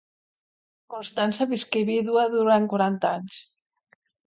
Constança visqué vídua durant quaranta anys.